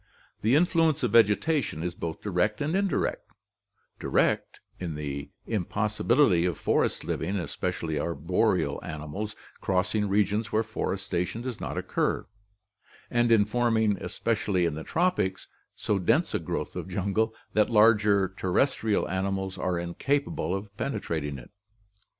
The influence of vegetation is both direct and indirect, — direct in the impossibility of forest living, especially arboreal animals crossing regions where forestation does not occur; and in forming, especially in the tropics, so dense a growth of jungle that larger terrestrial animals are incapable of penetrating it.